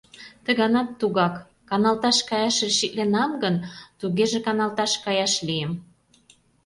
Ты ганат тугак: каналташ каяш решитленам гын, тугеже каналташ каяш лийым.